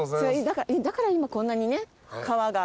だから今こんなにね川が奇麗。